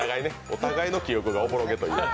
お互いの記憶がおぼろげという。